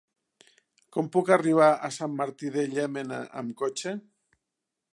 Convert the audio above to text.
Com puc arribar a Sant Martí de Llémena amb cotxe?